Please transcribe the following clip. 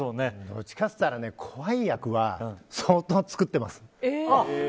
どっちかっていったら怖い役は相当作ってます。